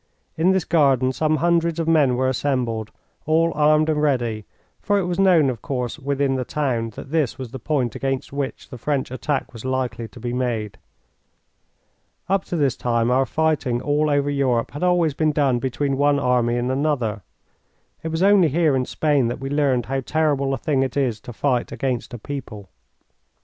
In this garden some hundreds of men were assembled, all armed and ready, for it was known, of course, within the town that this was the point against which the French attack was likely to be made. Up to this time our fighting all over Europe had always been done between one army and another. It was only here in Spain that we learned how terrible a thing it is to fight against a people.